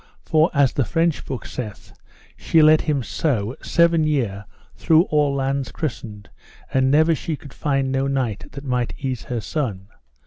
For as the French book saith, she led him so seven year through all lands christened, and never she could find no knight that might ease her son.